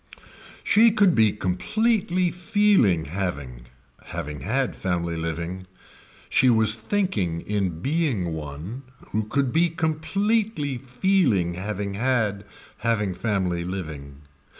She could be completely feeling having, having had family living. She was thinking in being one who could be completely feeling having had, having family living.